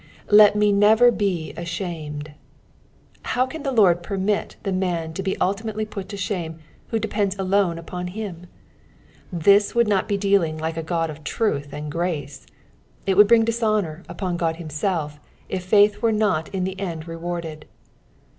" Let ma nxzer ha atkamed." How cnn the Lord permit the man to be ultimate!; put to ghnme who depends alone upon him I Tbia would not be dealing like a Uod of truth and gracp. It would bring dishonour upon Ood himself if faith were not in the end rewarded.